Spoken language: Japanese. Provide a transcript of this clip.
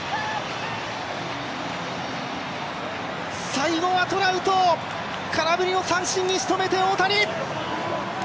最後はトラウト空振りの三振にしとめて、大谷。